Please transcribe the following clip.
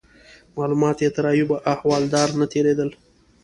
معلومات یې تر ایوب احوالدار نه تیرېدل.